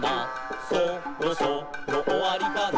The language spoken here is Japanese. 「そろそろおわりかな」